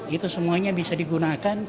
itu semuanya bisa digunakan